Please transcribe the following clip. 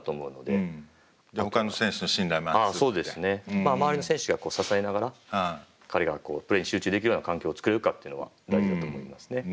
まあ周りの選手が支えながら彼がプレーに集中できるような環境を作れるかっていうのは大事だと思いますね。